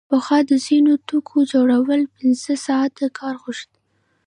پخوا د ځینو توکو جوړول پنځه ساعته کار غوښت